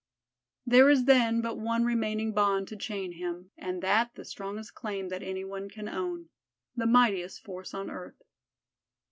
There is then but one remaining bond to chain him, and that the strongest claim that anything can own the mightiest force on earth.